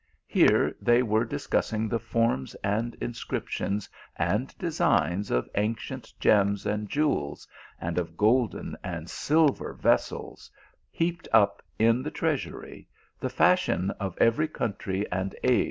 Here they were discussing the forms and inscriptions, and de signs of ancient gems and jewels, and of golden and silver vessels, heaped up in the treasury, the fashion of every country and c.